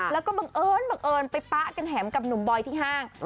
แล้วก็บังเอิญไปปะกันแหม่งกับหนุ่มบอยที่ห้าง